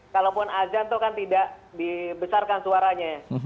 kalaupun azan itu kan tidak dibesarkan suaranya ya